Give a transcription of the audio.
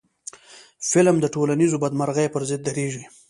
فلم د ټولنیزو بدمرغیو پر ضد درېږي